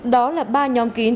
đó là ba nhóm kín